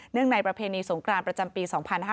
ในประเพณีสงกรานประจำปี๒๕๕๙